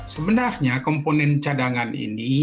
sebenarnya komponen cadangan ini